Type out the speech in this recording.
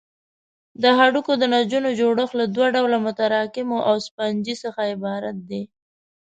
د هډوکو د نسجونو جوړښت له دوه ډوله متراکمو او سفنجي څخه عبارت دی.